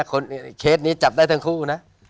เคสนี้จับได้ทั้งคู่นะ